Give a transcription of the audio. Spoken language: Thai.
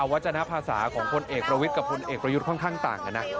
วัจจากภาษาของพลเอกรวิตกับพลเอกรยุริ์ดค่อนข้างต่าง